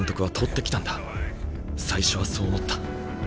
最初はそう思った。